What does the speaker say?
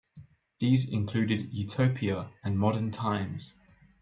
These included "Utopia" and "Modern Times".